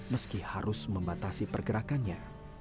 meski harus membatasi pergerakannya